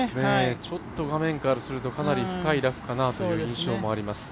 ちょっと画面からするとかなり深いラフかなという印象もあります。